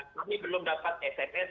kami belum dapat sms